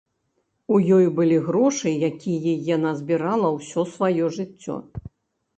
У ёй былі грошы, якія яна збірала ўсё сваё жыццё.